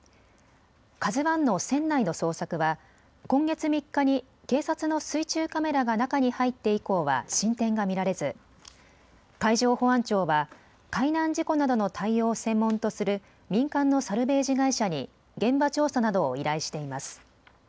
ＫＡＺＵＩの船内の捜索は今月３日に警察の水中カメラが中に入って以降は進展が見られず海上保安庁は海難事故などの対応を専門とする民間のサルベージ会社に現場調査などを依頼しています。